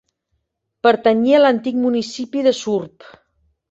Pertanyia a l'antic municipi de Surp.